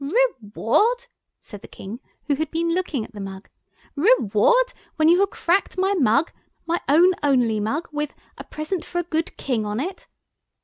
"Reward!" said the King, who had been looking at the mug, "reward! when you have cracked my mug—my own only mug, with 'A present for a good King' on it.